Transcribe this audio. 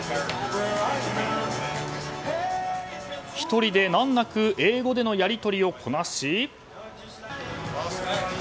１人で難なく英語でのやり取りをこなし。